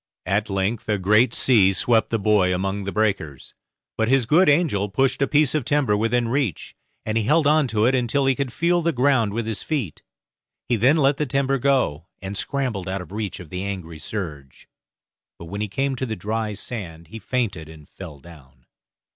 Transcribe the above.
At length a great sea swept the boy among the breakers, but his good angel pushed a piece of timber within reach, and he held on to it until he could feel the ground with his feet; he then let the timber go, and scrambled out of reach of the angry surge; but when he came to the dry sand he fainted and fell down.